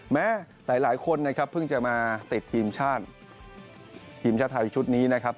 แม้หลายคนนะครับเพิ่งจะมาติดทีมชาติทีมชาติไทยชุดนี้นะครับ